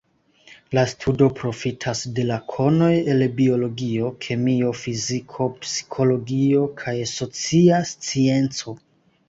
La studo profitas de la konoj el biologio, kemio, fiziko, psikologio kaj socia scienco.